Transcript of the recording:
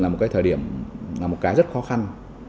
một cái thời điểm rất khó khăn